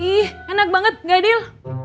ih enak banget gadil